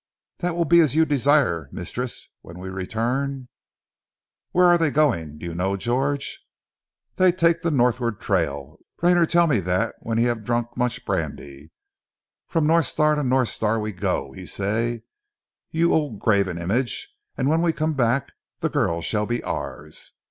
"That will be as you desire, mistress. When we return " "Where are they going? Do you know, George?" "They take the Northward trail. Rayner tell me that when he have drunk much brandy. 'From North Star to the North Star we go,' he say, 'you old graven image, and when we come back the girl shall be ours!